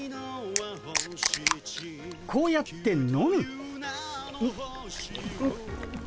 こうやって飲む。